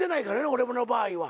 俺の場合は。